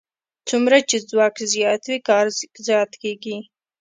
څومره چې ځواک زیات وي کار زیات کېږي.